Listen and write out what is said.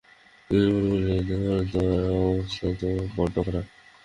নীলমণি বলিলেন, এ ঘরদোরের অবস্থা তো বড্ড খারাপ?